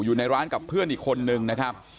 อยู่ในร้านกับเพื่อนอีกคนนึงนะครับ